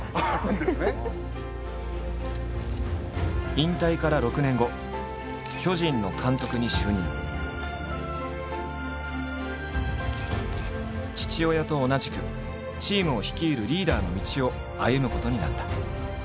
引退から６年後父親と同じくチームを率いるリーダーの道を歩むことになった。